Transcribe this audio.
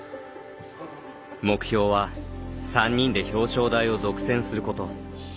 目標は３人で表彰台を独占すること。